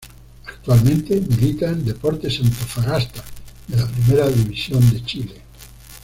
Actualmente milita en Deportes Antofagasta de la Primera División de Chile.